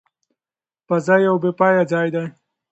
فضا یو بې پایه ځای دی.